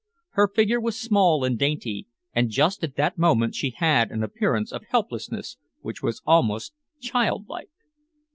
Her figure was small and dainty, and just at that moment she had an appearance of helplessness which was almost childlike.